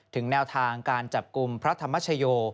แนวทางการจับกลุ่มพระธรรมชโย